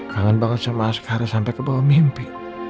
gangan banget sama asghar sampai ke bawah mimpi